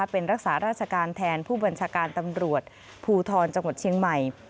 เป็นรักษาราชการแทนผู้บัญชาการตำรวจภูทรจังหวัดเชียงใหม่